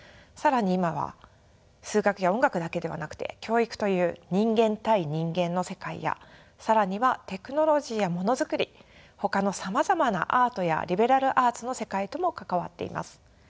更に今は数学や音楽だけではなくて教育という人間対人間の世界や更にはテクノロジーやものづくりほかのさまざまなアートやリベラルアーツの世界とも関わっています。